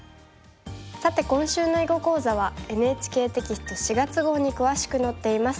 さて今週の囲碁講座はＮＨＫテキスト４月号に詳しく載っています。